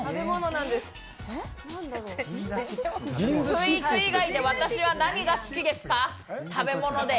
スイーツ以外で、私は何が好きですか、食べ物で。